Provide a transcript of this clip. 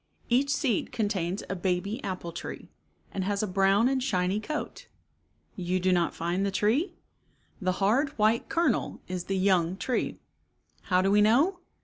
Each seed contains a baby apple tree, and has a brown and shiny coat. You do not find the tree ? The hard white kernel is the young tree. How do we know?